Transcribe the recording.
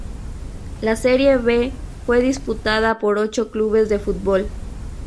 La Serie B fue disputada por ocho clubes de fútbol.